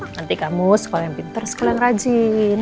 nanti kamu sekolah yang pintar sekolah yang rajin